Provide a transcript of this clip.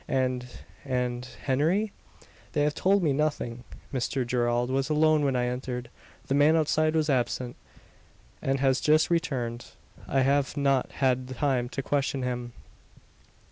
"And and Henry?" "They have told me nothing. Mr Gerald was alone when I entered. The man outside was absent, and has just returned. I have not had time to question him."